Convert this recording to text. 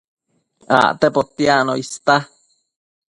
Acte potiacno ista